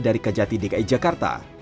dari kajati dki jakarta